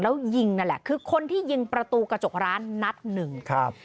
แล้วยิงนั่นแหละคือคนที่ยิงประตูกระจกร้านนัดหนึ่งครับ